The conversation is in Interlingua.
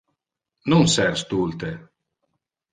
Non ser stulte.